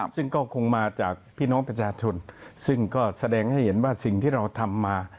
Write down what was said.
ซึ่งก็คงมาจากพี่น้องประชาชนซึ่งก็แสดงให้เห็นว่าสิ่งที่เราทำมา